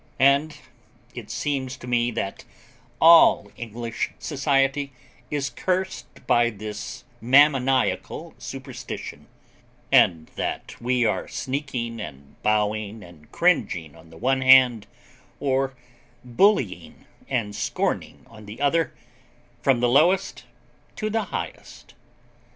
And it seems to me that all English society is cursed by this mammoniacal superstition; and that we are sneaking and bowing and cringing on the one hand, or bullying and scorning on the other, from the lowest to the highest.